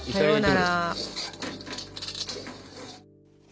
さようなら。